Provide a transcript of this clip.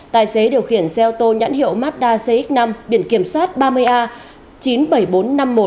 tài xế điều khiển xe ô tô nhãn hiệu mazda cx năm biển kiểm soát ba mươi a chín mươi bảy nghìn bốn trăm năm mươi một